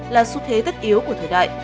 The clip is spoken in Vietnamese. là xu thế tất yếu của thời đại